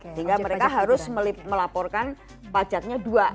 sehingga mereka harus melaporkan pajaknya dua